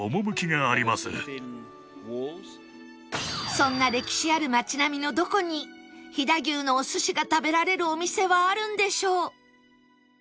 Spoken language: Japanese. そんな歴史ある町並みのどこに飛騨牛のお寿司が食べられるお店はあるんでしょう？